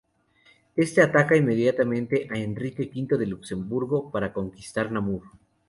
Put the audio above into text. Este ataca inmediatamente a Enrique V de Luxemburgo para conquistar Namur.